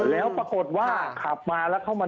แล้วปรากฏว่าขับมาแล้วเข้ามา